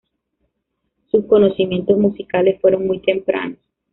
Sus conocimientos musicales fueron muy tempranos.